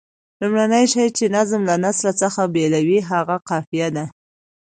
لومړنی شی چې نظم له نثر څخه بېلوي هغه قافیه ده.